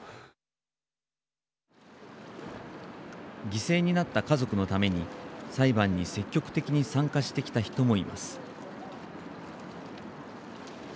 犠牲になった家族のために裁判に積極的に参加してきた人もいます。